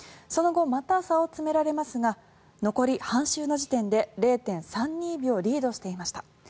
その後、また差を詰められますが残り半周の時点で０．３２秒リードしていました。